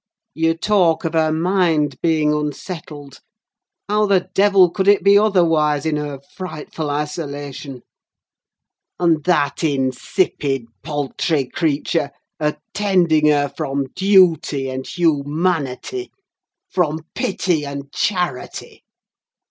You talk of her mind being unsettled. How the devil could it be otherwise in her frightful isolation? And that insipid, paltry creature attending her from duty and humanity! From pity and charity!